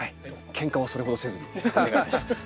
ケンカはそれほどせずにお願いいたします。